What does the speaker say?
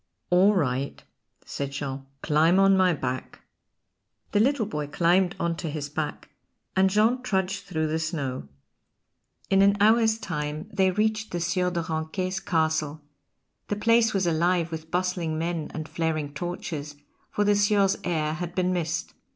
"All right," said Jean, "climb on my back." The little boy climbed on to his back, and Jean trudged through the snow. In an hour's time they reached the Sieur de Ranquet's castle; the place was alive with bustling men and flaring torches, for the Sieur's heir had been missed.